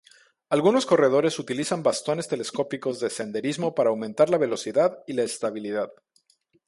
Algunos corredores utilizan bastones telescópicos de senderismo para aumentar la velocidad y la estabilidad.